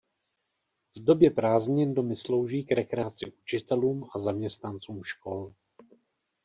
V době prázdnin domy slouží k rekreaci učitelům a zaměstnancům škol.